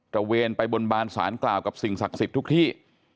ระเวนไปบนบานสารกล่าวกับสิ่งศักดิ์สิทธิ์ทุกที่